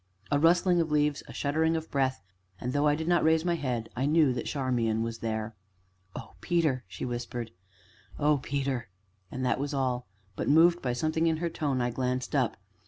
A rustling of leaves a shuddering breath, and, though I did not raise my head, I knew that Charmian was there. "Oh, Peter!" she whispered, "oh, Peter!" and that was all, but, moved by something in her tone, I glanced up.